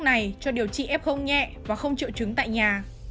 này cho điều trị f nhẹ và không triệu chứng tại nhà